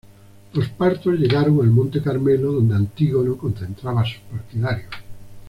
Los partos llegaron al monte Carmelo, donde Antígono concentraba sus partidarios.